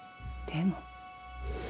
でも？